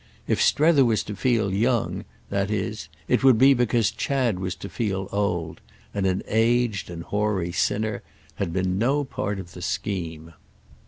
If Strether was to feel young, that is, it would be because Chad was to feel old; and an aged and hoary sinner had been no part of the scheme.